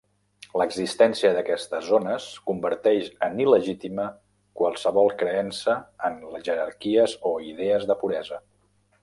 L'existència d'aquestes zones converteix en il·legítima qualsevol creença en jerarquies o idees de puresa.